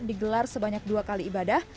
digelar sebanyak dua kali ibadah